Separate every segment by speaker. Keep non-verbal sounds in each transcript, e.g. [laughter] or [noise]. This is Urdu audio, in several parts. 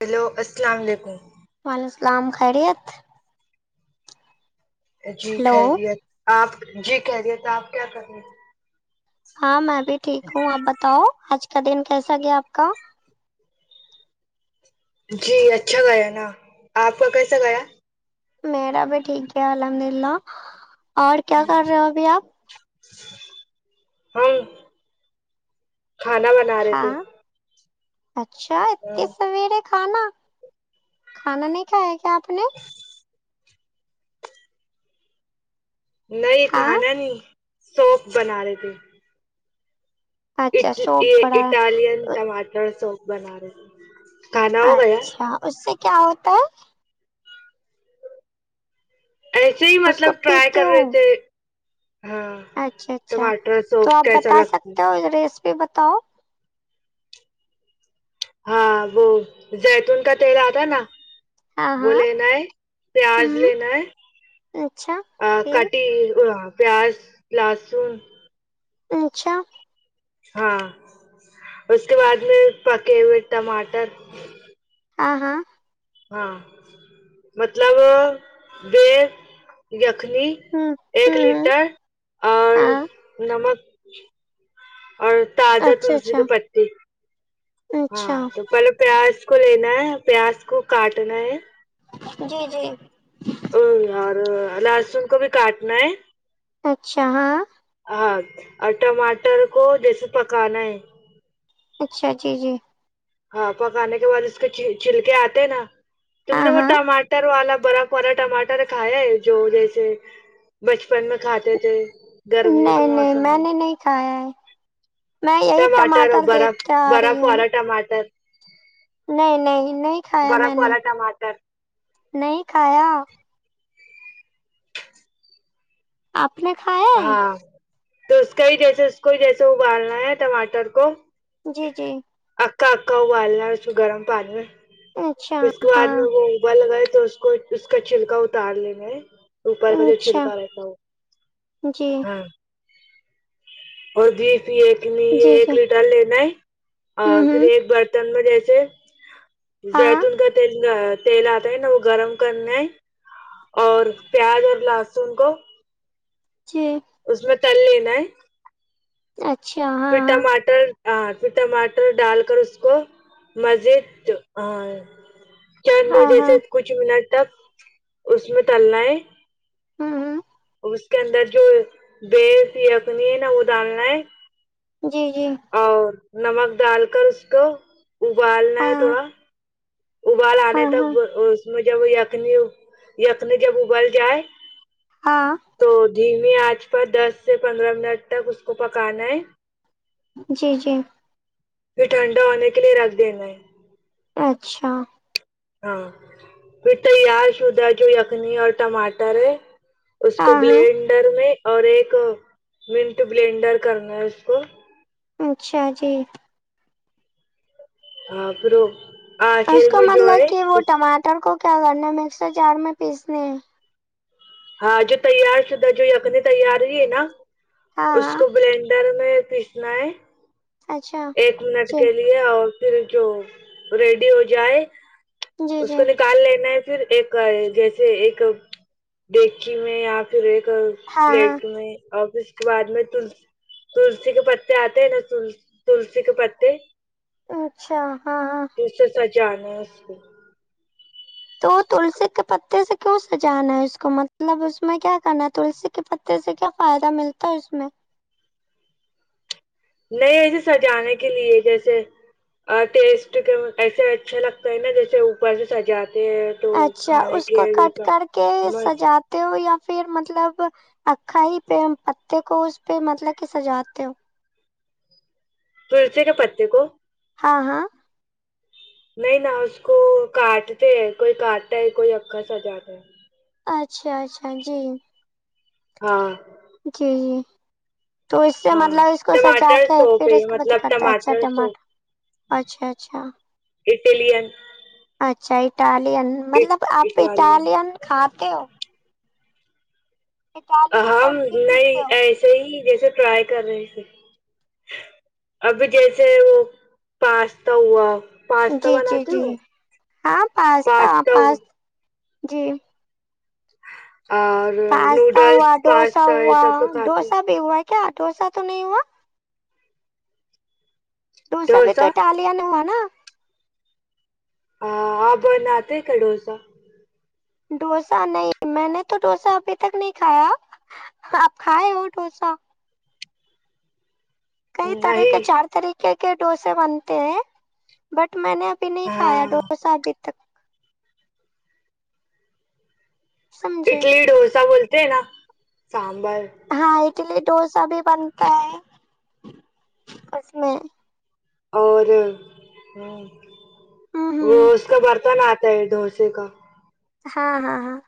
Speaker 1: ہیلو السلام علیکم
Speaker 2: وعلیکم السلام خیریت
Speaker 1: جی
Speaker 2: ہلو
Speaker 1: خیریت آپ جی خیریت آپکی کر رہی
Speaker 2: ہاں میں بھی ٹھیک ہوں آپ بتاؤ آج کا دن کیسا گیا آپ کا
Speaker 1: جی اچھا گیا نا آپ کا کیسا گیا
Speaker 2: میرا بھی ٹھیک ہے الحمد للہ اور کیا کر رہے ہو ابھی آپ
Speaker 1: ہم کھانا بنا رہے تھے
Speaker 2: ہاں اچھا
Speaker 1: ہاں،
Speaker 2: اتی سویرے کھانا کھانا نہیں کھایا کیا آپ نے
Speaker 1: نہیں
Speaker 2: ہاں
Speaker 1: کھانا نہیں سوپ بنا رہے تھے
Speaker 2: اچھا
Speaker 1: ٹ یہ
Speaker 2: سوپ پڑا
Speaker 1: اٹالین
Speaker 2: ہے۔
Speaker 1: ٹماٹر سوس بنا رہے تھے کھانا ہو گیا
Speaker 2: اچھا اس سے کیا ہوتا ہے
Speaker 1: ایسے ہی
Speaker 2: ہے اس کو
Speaker 1: مطلب ٹرائی
Speaker 2: پیتی
Speaker 1: کر رہے
Speaker 2: ہوں
Speaker 1: تھے ہاں
Speaker 2: اچھا اچھا
Speaker 1: ٹماٹر
Speaker 2: تو
Speaker 1: سوپ
Speaker 2: آپ
Speaker 1: کیسا
Speaker 2: بتا
Speaker 1: لگتا ہے
Speaker 2: سکتے ہو ریسپی بتاؤ
Speaker 1: ہاں وہ زیتون کا تیل آتا نا
Speaker 2: ہاں
Speaker 1: وہ
Speaker 2: ہاں
Speaker 1: لینا ہے پیاز
Speaker 2: ہ
Speaker 1: لینا ہے
Speaker 2: اچھا
Speaker 1: ا
Speaker 2: یہ
Speaker 1: کٹی پیاز لہسن
Speaker 2: اچھا
Speaker 1: ہاں اس کے بعد میں پکے ہوئے ٹماٹر
Speaker 2: ہاں ہاں
Speaker 1: ہاں مطلب بی یخنی
Speaker 2: ہ
Speaker 1: ایک
Speaker 2: ہ
Speaker 1: لیٹر اور
Speaker 2: ہاں
Speaker 1: نمک اور تازہ
Speaker 2: اچھا
Speaker 1: تلسی کے پتی ہاں
Speaker 2: اچھا
Speaker 1: تو پہلے پیاز کو لینا ہے پیاز کو کاٹنا ہے
Speaker 2: جی جی
Speaker 1: ا اور لہسن کو بھی کاٹنا ہے
Speaker 2: اچھا ہاں
Speaker 1: ہاں اور ٹماٹر کو جیسے پکانا ہے
Speaker 2: اچھا جی جی
Speaker 1: ہاں پکانے کے بعد اس کے چھلکے آتے نا تم
Speaker 2: ہاں
Speaker 1: نے وہ
Speaker 2: ہاں
Speaker 1: ٹما ٹر آلا برف والرا ماٹر کائے جو جیسے بچپن میں کھاتے تھے گرمیوں کا
Speaker 2: نہیں نہیں
Speaker 1: موسم
Speaker 2: میں نے نہیں کھایا ہے میں یہی
Speaker 1: ٹماٹر اور برف
Speaker 2: دیکھتے آ
Speaker 1: برف
Speaker 2: رہی ہوں
Speaker 1: والا ٹماٹر
Speaker 2: نہیں نہیں نہیں کھایا میں
Speaker 1: برف
Speaker 2: نے
Speaker 1: والا ٹماٹر
Speaker 2: نہیں کھایا آپ نے کھائے
Speaker 1: ہاں تو اس کا ہی جیسے اس کو جیسے ابالنا ہے ٹماٹر کو
Speaker 2: جی جی
Speaker 1: اکا اکا ابالنار ہے اسکو گرم پانی میں
Speaker 2: اچھا
Speaker 1: پھر اس کے بعد
Speaker 2: ہاں
Speaker 1: میں وہ ابل گئے تو اس کو اس کا چھلکا اتار ل گے اوپر کا جو
Speaker 2: اچھا
Speaker 1: چھلکا رہےتا وہ
Speaker 2: جی
Speaker 1: ہاں اور بیف یہ یقنی
Speaker 2: جی
Speaker 1: ایک
Speaker 2: جی
Speaker 1: لیٹر لینا ہے اور
Speaker 2: ہوں
Speaker 1: پھر
Speaker 2: ہوں
Speaker 1: ایک بر م [unintelligible] ایے
Speaker 2: ہاں
Speaker 1: زیتون کا تیل یہ تیل آتا ہے نا وہ گرم کرنے ہے اور پیاز اور لہسن کو
Speaker 2: جی
Speaker 1: اس میں تل لینا ہے
Speaker 2: اچھا
Speaker 1: پھر
Speaker 2: ہاں
Speaker 1: ٹماٹر ہاں پھر ٹماٹر ڈال کر اس کو مزید ہاں چند
Speaker 2: ہاں ہاں
Speaker 1: جیسے
Speaker 2: ہاں
Speaker 1: کچھ منٹ تک اس میں تلنا ہے
Speaker 2: ھمم ھمم
Speaker 1: اس کے اندر جو بیس خنی ہے نا وہ ڈالنا ہے
Speaker 2: جی جی
Speaker 1: اور نمک ڈال کر اس کو ابالنا
Speaker 2: ہاں
Speaker 1: ہے تھوڑا ابال آنے
Speaker 2: ہاں
Speaker 1: تک
Speaker 2: ہاں
Speaker 1: وا اس میں جب یخنی یخنی جب ابل جائے
Speaker 2: ہاں
Speaker 1: تو دھیمی آنچ پر دس سے پندرہ منٹ تک اس کو پکانا ہے
Speaker 2: جی جی
Speaker 1: پھر ٹھنڈا ہونے کے لیے رکھ دینا ہے
Speaker 2: اچھا
Speaker 1: ہاں پھر تیار شدہ جو یخنی اور ٹماٹر ہے اس کو
Speaker 2: ہاں ہاں
Speaker 1: بلینڈر میں اور ایک منٹ بلینڈر کرنا ہے اس کو
Speaker 2: اچھا جی
Speaker 1: ہاں پھر وه
Speaker 2: اس کو مطلب کہ وہ ٹماٹر کو کیا کرنا مکسر جار میں پیسنے
Speaker 1: ہاں جو تیار شدہ جو یخنے تیار ہی ہے نا
Speaker 2: ہاں
Speaker 1: اس
Speaker 2: ہاں
Speaker 1: کو بلینڈر میں پیسنا ہے
Speaker 2: اچھا
Speaker 1: ایک منٹ
Speaker 2: جی
Speaker 1: کے لیے یہ ہے اور پھر جو ریڈی ہو جائے
Speaker 2: جی
Speaker 1: اس
Speaker 2: جی
Speaker 1: کو نک کال لینا ہے پھر ایک جیسے ایک ڈیکچی میں یا پھر ایک
Speaker 2: ہاں ہاں
Speaker 1: پلیٹ میں اور پھر اس بعد میں تل تلسی کے پتے آتے ہیں نا تل تلسی کے پتے
Speaker 2: اچھا ہاں ہاں
Speaker 1: اس سے سجانا اس کو
Speaker 2: تو تلسی کے پتے سے کیوں سجانا ہے اس کو مطلب اس میں کیا کرنا ہے تلسی کے پت تے سے کیا فائدہ ملتا ہے اس میں
Speaker 1: نہیں ایسے سجانے کے لیے جیسے اور ٹیسٹ کے ایسے اچھا لگتا ہے نا جیسے اوپر سے سجاتے ہیں تو
Speaker 2: اچھا
Speaker 1: کھانے
Speaker 2: اس کو
Speaker 1: کے
Speaker 2: کٹ
Speaker 1: جیسا
Speaker 2: کر کے
Speaker 1: بس
Speaker 2: سجا تے ہو یا پھر مطلب اکھا ہی پہ پتے کو اس پہ مطلب کہ سجاتے ہو
Speaker 1: تلسی کے پتے کو
Speaker 2: ہاں ہاں
Speaker 1: نہیں نہ اس کو کاٹتے ہے کوئی کاٹتا ہے کوئی اکھا سجاتا ہے
Speaker 2: اچھا اچھا جی
Speaker 1: ہاں
Speaker 2: جی تو اس سے
Speaker 1: ہاں
Speaker 2: مطلب اس کو سجا
Speaker 1: ٹماٹر
Speaker 2: کے
Speaker 1: سوپ
Speaker 2: پھر
Speaker 1: ہے
Speaker 2: اس کو پت
Speaker 1: مطلب
Speaker 2: کرتا ہے اچھا ٹماٹر
Speaker 1: سوپ
Speaker 2: اچھا اچھا
Speaker 1: اٹیلن
Speaker 2: اچھا اٹالین مطلب آپ اٹالین کھاتے ہو اٹالین
Speaker 1: ہم
Speaker 2: سبزی
Speaker 1: نہیں
Speaker 2: پیتے ہو
Speaker 1: ایسے ہی جیسے ٹرائی کر رہے تھے ابھی جیسے وہ پاستا ہوا پاستا
Speaker 2: جی جی
Speaker 1: بناتے
Speaker 2: جی
Speaker 1: ہو
Speaker 2: ہاں پاستا پس جی
Speaker 1: اور
Speaker 2: پاستا ہوا
Speaker 1: نوڈلس
Speaker 2: ڈوسا
Speaker 1: پاستا یہ
Speaker 2: ہوا
Speaker 1: سب تو کھاتے
Speaker 2: ڈوسا بھی ہوا کیا ڈوسا تو نہیں ہوا دوسا بھی تو
Speaker 1: ڈوسا
Speaker 2: اٹالین ہوا نا
Speaker 1: ہاں آ پ بناتے ہے کا دوسا
Speaker 2: دوسا نہیں میں نے تو دوسا ابھی تک نہیں کھایا آپ کھائے ہو دوسا کئی طرح کے
Speaker 1: نہیں
Speaker 2: چار طریقے کے دوسے بنتے ہیں بٹ میں نے ابھی نہیں کھایا
Speaker 1: ہاں
Speaker 2: دوسا بھی سمجھے
Speaker 1: اٹلی دوسا بولتے ہیں نا سانبر
Speaker 2: ہاں اٹلی دوسا بھی بنتا ہے اس میں
Speaker 1: اور ہوں
Speaker 2: ہوں
Speaker 1: وہ
Speaker 2: ہوں
Speaker 1: اس کا برتن آتا ہے دوسے کا
Speaker 2: ہاں ہاں ہاں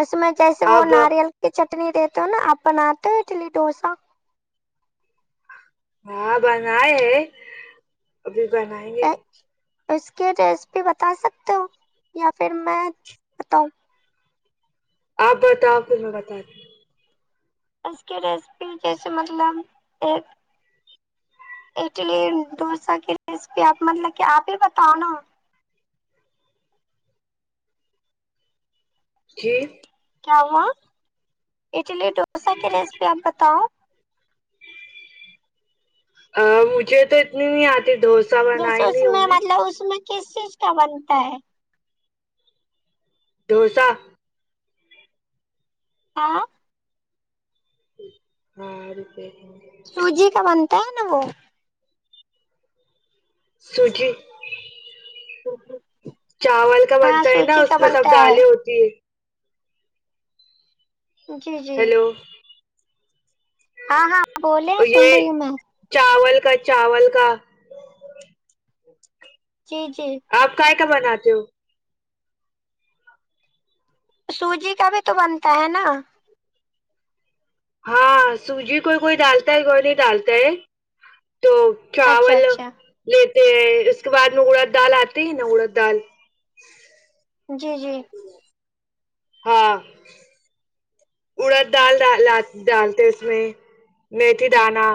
Speaker 2: اس میں جیسے وہ
Speaker 1: آپ
Speaker 2: ناریل کہ چٹنی دیتے ہو نا آپ بناتے ہو اٹلی دوسا
Speaker 1: ہاں بنائے ہے ابھی بنائیں گے
Speaker 2: اس کی ریسیپی بتا سکتے ہو یا پھر میں بتاؤں
Speaker 1: آپ بتاؤ پھر میں بتاتی ہوں۔
Speaker 2: اس کی ریسیپی جیسے مطلب ایک اٹلی دوسا کی ریسیپی آپ مطلب کہ آپ ہی بتاؤ نا
Speaker 1: جی
Speaker 2: کیا ہوا اٹلی دوسا کی ریسیپی آپ بتاؤ
Speaker 1: ا مجھے تو اتنی نہیں آتی دوس
Speaker 2: جیسے اس میں مطلب اس میں کس چیز کا بنتا ہے
Speaker 1: دوسا
Speaker 2: آں
Speaker 1: ہاں [unintelligible]
Speaker 2: سوجی کا بنتا ہے نا وہ
Speaker 1: سوجی چاول کا
Speaker 2: ہاں
Speaker 1: بنتا ہے نا
Speaker 2: سوجی
Speaker 1: اس
Speaker 2: کا
Speaker 1: میں سب
Speaker 2: بنتا
Speaker 1: دالیں ہوتی ہے
Speaker 2: جی جی
Speaker 1: ہیلو
Speaker 2: ہاں ہاں بولے سن
Speaker 1: یہ
Speaker 2: رہی ہوں میں
Speaker 1: چاول کا چاول کا
Speaker 2: جی جی
Speaker 1: آپ کائے کا بناتے ہو
Speaker 2: سوجی کا بھی تو بنتا ہے نا
Speaker 1: ہاں سوجی کوئی کوئی ڈالتا ہے کوئی نہیں ڈالتا ہے تو
Speaker 2: اچھا
Speaker 1: چاول
Speaker 2: اچھا
Speaker 1: لیتے ہیں اس کے بعد ن اڑد دال آتی ہے نا اڑد دال
Speaker 2: جی جی
Speaker 1: ہاں اڑد دال لا ڈالتے اس میں میتھی دانا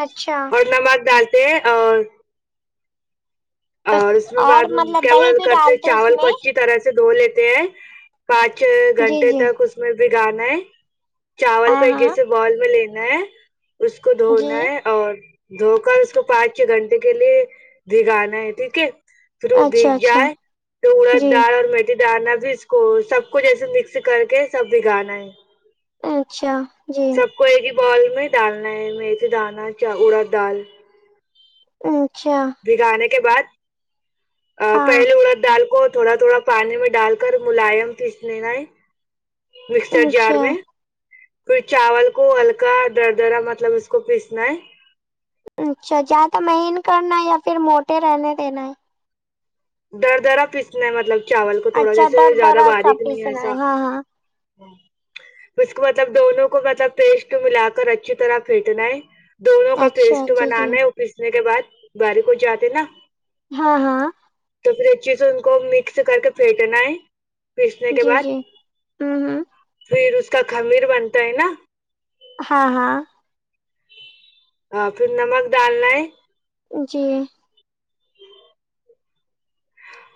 Speaker 2: اچھا
Speaker 1: اور نمک ڈالتے اور اور اس میں
Speaker 2: اور
Speaker 1: بعد
Speaker 2: مطلب
Speaker 1: کیا
Speaker 2: دہی
Speaker 1: بول
Speaker 2: بھی
Speaker 1: کرتے
Speaker 2: ڈالتے اس
Speaker 1: چاول کو
Speaker 2: میں
Speaker 1: اچھی طرح سے دھو لیتے ہیں پانچ
Speaker 2: جی
Speaker 1: گھنٹے
Speaker 2: جی
Speaker 1: تک اس میں بھیگانا ہے چاول کو
Speaker 2: ہاں
Speaker 1: ایک
Speaker 2: ہاں
Speaker 1: جیسے بال میں لینا ہے اس کو
Speaker 2: جی
Speaker 1: دھونا ہے اور دھو کر اس کو پانچ چھ گھنٹے کے لیے بھگانا ہے ٹھیک ہے پھر وہ
Speaker 2: اچھا
Speaker 1: بھیگ
Speaker 2: اچھا
Speaker 1: جائے تو اڑد
Speaker 2: جی
Speaker 1: دال اور می تھی دانا بھی اس کو سب کچھ ایسے مکس کر کے سب بھیگانا ہے
Speaker 2: اچھا جی
Speaker 1: سب کو ایک ہی بول میں ڈالنا ہے میتھی دانا چ اڑا دال
Speaker 2: اچھا
Speaker 1: بھگانے کے بعد
Speaker 2: ہاں
Speaker 1: پہلے اڑد دال کو تھوڑا تھوڑا پانی میں ڈال کر ملائم پیس لینا ہے مکسر جار
Speaker 2: اچھا
Speaker 1: میں پھر چاول کو ہلکا در درا مطلب اس کو پیسنا ہے
Speaker 2: اچھا زیادہ مہیںن کرنا یا پھر موٹے رہنے دینا ہے
Speaker 1: دردرا پیسنا ہے مطلب چاول کو
Speaker 2: ہے
Speaker 1: تھوڑا
Speaker 2: اچھا
Speaker 1: جیسے
Speaker 2: در
Speaker 1: زیادہ
Speaker 2: درا سا
Speaker 1: باریک نہیں
Speaker 2: پیسنا
Speaker 1: ایسا
Speaker 2: ہے ہاں ہاں
Speaker 1: اس کو مطلب دونوں کو مطلب پیسٹ ملا کر اچھی طرح پھینٹنا ہے دونوں کا
Speaker 2: اچھا
Speaker 1: پیسٹ
Speaker 2: جی جی
Speaker 1: بنانے وہ پیسنے کے بعد باریک ہو جاتے نا
Speaker 2: ہاں ہاں
Speaker 1: تو پھر ا چی سے ان کو مکس کر کے پھینٹنا ہے پیسنے کے
Speaker 2: جی
Speaker 1: بعد
Speaker 2: جی ہوں ہوں
Speaker 1: پھر اس کا خمیر بنتا ہے نا
Speaker 2: ہاں ہاں
Speaker 1: اور پھر نمک ڈالنا ہے
Speaker 2: جی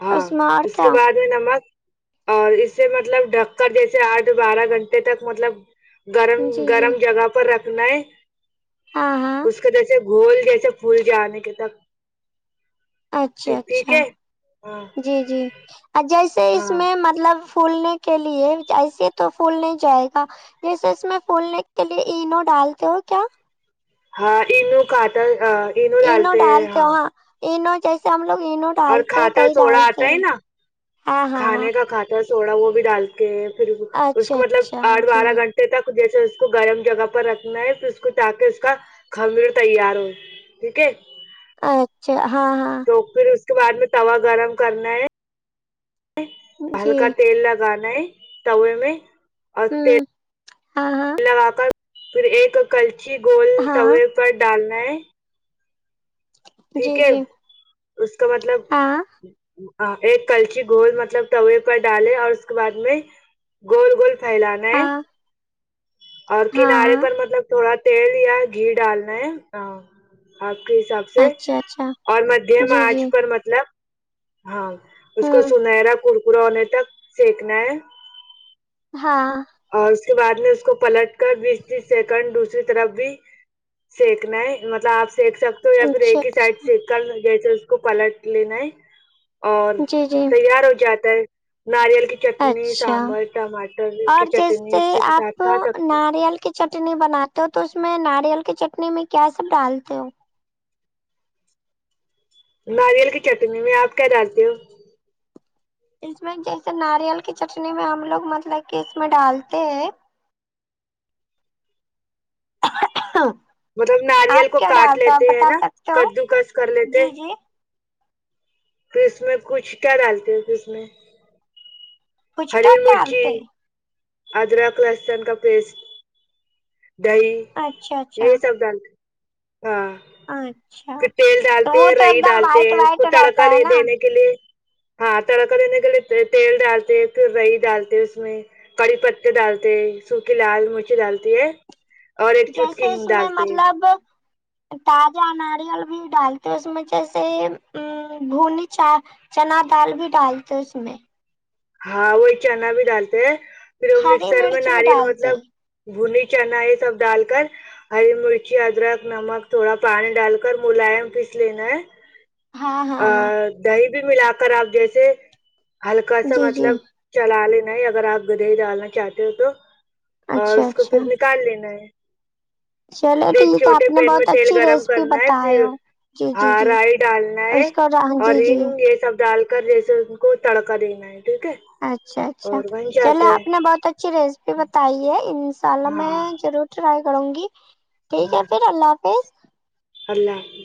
Speaker 1: ہاں
Speaker 2: میں اور
Speaker 1: اس کے
Speaker 2: کیا
Speaker 1: بعد وی نمک اور اسے مطلب ڈھک کر جیسے آٹھ بارہ گھنٹے تک مطلب گرم
Speaker 2: جی جی
Speaker 1: گرم جگہ پر رکھنا ہے
Speaker 2: ہاں ہاں
Speaker 1: اس کے جیسے گھول جیسے پھول جانے کے تک
Speaker 2: اچھا
Speaker 1: ٹھیک
Speaker 2: اچھا
Speaker 1: ہے ہاں
Speaker 2: جی جی جیسے اس
Speaker 1: ہاں
Speaker 2: میں مطلب پھولنے کے لیے ایسے تو پھول نہیں جائے گا جیسے اس میں پھولنے کے لیے اینو ڈالتے ہو کیا
Speaker 1: ہاں انوں کاٹل
Speaker 2: اینو ڈالتے ہو ہاں اینو جیسے ہم لوگ اینو
Speaker 1: اور
Speaker 2: ڈالتے ہیں
Speaker 1: کھاتا
Speaker 2: دہی
Speaker 1: سوڑا آتا
Speaker 2: ڈالتے
Speaker 1: ہے
Speaker 2: ہیں
Speaker 1: نا
Speaker 2: ہاں ہاں ہاں
Speaker 1: کھانے کا کھات سوڈا وہ بھی ڈال کے پھر اس
Speaker 2: اچھا
Speaker 1: کو مطلب
Speaker 2: اچھا
Speaker 1: آٹھ
Speaker 2: جی
Speaker 1: بارہ گھنٹہ [unintelligible] جیسے اس کو گرم جگہ پر رکھنا ہے پھر اس کو تاکے اس کا خمیر تیار ہو ٹھیک ہے
Speaker 2: اچھا ہاں ہاں
Speaker 1: تو پھر اس کے بعد میں توا گرم کرنا ہے
Speaker 2: جی
Speaker 1: ہلکا تیل لگانا ہے توے میں اور
Speaker 2: ہوں
Speaker 1: تیل
Speaker 2: ہاں ہاں
Speaker 1: لگا کر پھر ایک کلچی گول
Speaker 2: ہاں
Speaker 1: توے پر ڈالنا ہے ٹھیک
Speaker 2: جی
Speaker 1: ہے
Speaker 2: جی
Speaker 1: اس کا مطلب
Speaker 2: ہاں
Speaker 1: ایک کلچی گھول مطلب توے پر ڈالے اور اس کے بعد میں گول گول فھیلا
Speaker 2: ہاں
Speaker 1: اور
Speaker 2: ہاں
Speaker 1: کنارے
Speaker 2: ہاں
Speaker 1: پر مطلب تھوڑا تیل یا گھی ڈالنا ہے اپ کے حساب سے
Speaker 2: اچھا اچھا
Speaker 1: اور مدھیم
Speaker 2: جی
Speaker 1: انچ
Speaker 2: جی
Speaker 1: پر مطلب ہاں اس کو
Speaker 2: ہوں
Speaker 1: سنہرا کرکرا ہونے تک سینکنا ہے
Speaker 2: ہاں
Speaker 1: اور اس کے بعد میں اس کو پلٹ کر بیس تیس سیکنڈ دوسری طرف بھی سیکنا ہے مطلب آپ سیکھ سکتے ہو یا پھر
Speaker 2: اچھا
Speaker 1: ایک ہی سائڈ
Speaker 2: اچھا
Speaker 1: سیک کر جیسے اس کو پلٹ لینا ہے اور
Speaker 2: جی جی
Speaker 1: تیار ہو جاتا ہے ناریل کی چٹنی سانبر ٹماٹر کی
Speaker 2: جس
Speaker 1: چٹنی
Speaker 2: سے
Speaker 1: اس کے ساتھ
Speaker 2: آپ
Speaker 1: کھا سکتے
Speaker 2: نا
Speaker 1: ہو۔
Speaker 2: ریل کی چٹنی بناتے ہو تو اس میں ناریل کی چٹنی میں کیا سب ڈالتے ہو
Speaker 1: ناریل کی چٹنی میں آپ کیا ڈالتے ہو
Speaker 2: اس میں جیسے ناریل کی چٹنی میں ہم لوگ مطلب کہ اس میں ڈالتے ہیں
Speaker 1: مطلب
Speaker 2: آپ
Speaker 1: ناریل کو
Speaker 2: کیا
Speaker 1: کاٹ
Speaker 2: ڈال تو ہو آپ
Speaker 1: لیتے ہیں
Speaker 2: بتا
Speaker 1: نا
Speaker 2: سکتے ہو
Speaker 1: کدو کس کر
Speaker 2: جی جی
Speaker 1: تو اس میں کچھ کیا ڈالتے ہو تو اس میں
Speaker 2: کچھ
Speaker 1: ہری
Speaker 2: کیا
Speaker 1: مرچی
Speaker 2: ڈالتے
Speaker 1: ادرک لہسن کا پیسٹ دہی
Speaker 2: اچھا
Speaker 1: یہ
Speaker 2: اچھا
Speaker 1: سب ڈال ہاں
Speaker 2: اچھا
Speaker 1: پھر تیل
Speaker 2: تو
Speaker 1: ڈالتے
Speaker 2: وہ
Speaker 1: ہیں
Speaker 2: تو ایک
Speaker 1: رئی
Speaker 2: دم
Speaker 1: ڈالتے
Speaker 2: وائٹ
Speaker 1: ہیں اس کو
Speaker 2: وائٹ
Speaker 1: تڑکا
Speaker 2: رہتا ہے
Speaker 1: لے
Speaker 2: نا
Speaker 1: دینے کے لیے ہاں تڑکا دینے کے لیے تیل ڈالتے ہے رئی ڈالتے اس میں کڑی پتے ڈالتے سوکھی لال مرچی ڈالتی ہے اور ایک چٹکی کے
Speaker 2: جیسے
Speaker 1: ہنگ
Speaker 2: اس میں
Speaker 1: ڈالتے ہے
Speaker 2: مطلب تازہ ناریل بھی ڈالتے ہیں اس میں جیسے ہ بھنی چار چنا دال بھی ڈالتے اس میں
Speaker 1: ہاں وہی چنا بھی ڈالتے ہیں پھر وہ
Speaker 2: ہری
Speaker 1: مکسر میں
Speaker 2: مرچ بھی
Speaker 1: ناریل
Speaker 2: ڈالتے
Speaker 1: مطلب بھنے چنا یہ سب ڈال کر ہری مرچی ادرک نمک تھوڑا پانی ڈال کر ملائم پیس لینا ہے
Speaker 2: ہاں
Speaker 1: ا
Speaker 2: ہاں ہاں
Speaker 1: دہی بھی ملا کر آپ جیسے ہلکا سا
Speaker 2: جی جی
Speaker 1: مطلب چلا لینا ہے اگر آپ گدھائی ڈالنا چاہتے ہو تو اور
Speaker 2: اچھا
Speaker 1: اس کو
Speaker 2: اچھا
Speaker 1: پھر نکال لینا ہے
Speaker 2: چلے
Speaker 1: ایک
Speaker 2: ٹھیک ہے
Speaker 1: چھوٹے
Speaker 2: آپ نے
Speaker 1: پین میں
Speaker 2: بہت
Speaker 1: تیل
Speaker 2: اچھی
Speaker 1: گرم
Speaker 2: ریسیپی
Speaker 1: کرنا ہے پھر
Speaker 2: بتائے ہو جی جی
Speaker 1: ہاں
Speaker 2: جی
Speaker 1: رائی ڈالنا ہے
Speaker 2: اس کو
Speaker 1: اور
Speaker 2: جی جی
Speaker 1: ہنگ یہ سب ڈال کے کر جیسے ان کو تڑکا دینا ہے ٹھیک ہے
Speaker 2: اچھا اچھا
Speaker 1: اور بن
Speaker 2: چلو
Speaker 1: جاتا ہے
Speaker 2: آپ نے بہت اچھی ریسپی بتائی ہے ان شاء اللہ میں
Speaker 1: ہاں
Speaker 2: ضرور ٹرائی کروں گی ٹھیک ہے پھر اللہ حافظ
Speaker 1: چال لا ہے